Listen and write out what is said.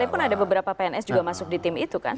saya pun ada beberapa pns juga masuk di tim itu kan